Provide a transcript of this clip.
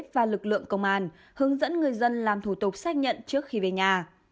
và lực lượng công an hướng dẫn người dân làm thủ tục xác nhận trước khi về nhà